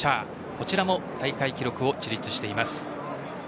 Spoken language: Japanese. こちらも大会記録を樹立しています。